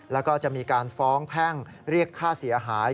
แล้วก็จะมีการฟ้องแพ่งเรียกค่าเสียหาย